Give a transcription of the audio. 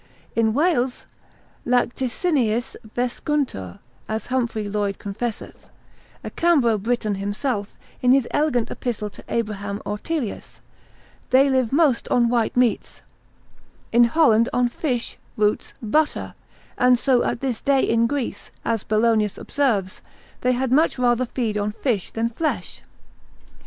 In Wales, lacticiniis vescuntur, as Humphrey Llwyd confesseth, a Cambro Briton himself, in his elegant epistle to Abraham Ortelius, they live most on white meats: in Holland on fish, roots, butter; and so at this day in Greece, as Bellonius observes, they had much rather feed on fish than flesh.